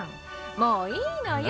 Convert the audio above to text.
もういいのよ。